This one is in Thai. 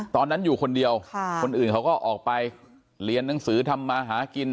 ตอนนั้นอยู่คนเดียวคนอื่นเขาก็ออกไปเรียนหนังสือทำมาหากิน